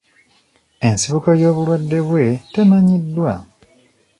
Ensibuko y'obulwadde bwe temanyiddwa.